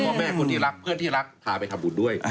พ่อแม่คนที่รักเพื่อนที่รักพาไปทำบุญด้วย